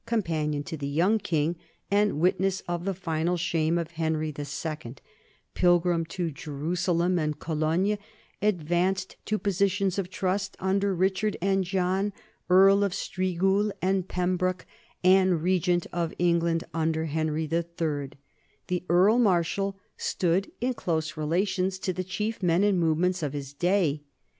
Companion to the Young King and witness of the final shame of Henry II, pilgrim to Jerusalem and Cologne, advanced to positions of trust under Richard and John, NORMAN LIFE AND CULTURE 155 earl of Striguil and Pembroke and regent of England under Henry III, the Earl Marshal stood in close rela tions to the chief men and movements of his day.